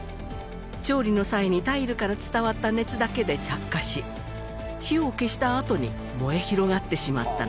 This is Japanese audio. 調理の際にタイルから伝わった熱だけで着火し火を消したあとに燃え広がってしまったのだ。